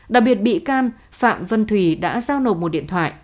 đặc biệt bị can phạm vân thùy đã giao nộp một điện thoại